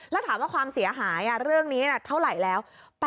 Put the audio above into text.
แล้วถามว่าความเสียหายเรื่องนี้เท่าไหร่แล้ว